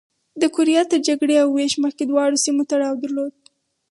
د کوریا تر جګړې او وېش مخکې دواړو سیمو تړاو درلود.